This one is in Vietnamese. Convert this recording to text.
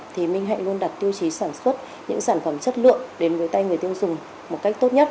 thì minh hạnh luôn đặt tiêu chí sản xuất những sản phẩm chất lượng đến với tay người tiêu dùng một cách tốt nhất